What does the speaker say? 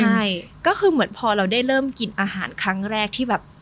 ใช่ก็คือเหมือนพอเราได้เริ่มกินอาหารครั้งแรกที่แบบ